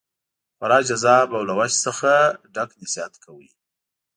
خورا جذاب او له وجد څخه ډک نصیحت کاوه.